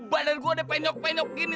badan gue ada penyok penyok gini